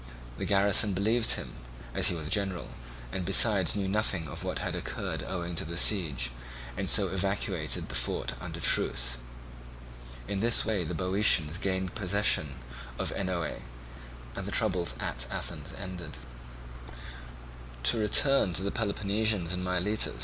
The garrison believed him as he was general, and besides knew nothing of what had occurred owing to the siege, and so evacuated the fort under truce. In this way the Boeotians gained possession of Oenoe, and the oligarchy and the troubles at Athens ended. To return to the Peloponnesians in Miletus.